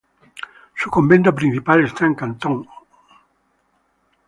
Su convento principal está en Canton, Ohio.